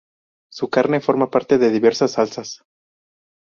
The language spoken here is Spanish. Su carne forma parte de diversas salsas.